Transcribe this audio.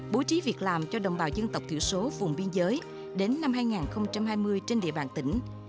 bố trí việc làm cho đồng bào dân tộc thiểu số vùng biên giới đến năm hai nghìn hai mươi trên địa bàn tỉnh